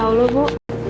jauh loh bu